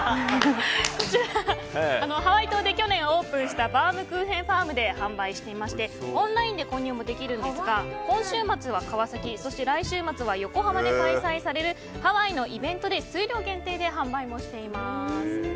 こちら、ハワイ島で去年オープンしたバウムクーヘン・ファームで販売しているんですがオンラインでも購入でき今週末は川崎そして来週は横浜で開催されるハワイのイベントで数量限定で販売もしています。